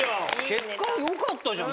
結果よかったじゃん。